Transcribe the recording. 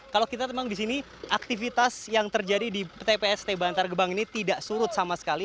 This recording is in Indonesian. kalau kita memang di sini aktivitas yang terjadi di tpst bantar gebang ini tidak surut sama sekali